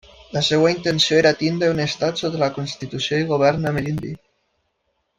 La seva intenció era tenir un estat sota la constitució i govern amerindi.